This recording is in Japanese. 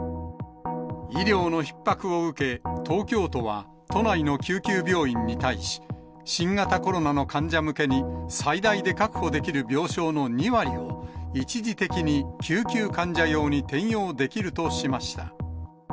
医療のひっ迫を受け、東京都は、都内の救急病院に対し、新型コロナの患者向けに、最大で確保できる病床の２割を、一時的に救急患者用に転用できるとしました。